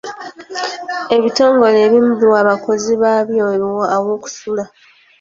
Ebitongole ebimu biwa abakozi baabyo aw'okusula.